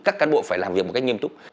các cán bộ phải làm việc một cách nghiêm túc